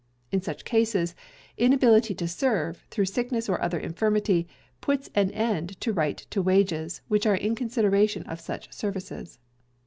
In such cases, inability to serve, through sickness or other infirmity, puts an end to right to wages, which are in consideration of such services.